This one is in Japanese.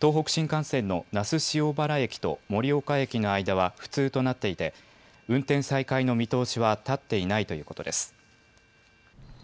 東北新幹線の那須塩原駅と盛岡駅の間は不通となっていて、運転再開の見通しは立っていないということです。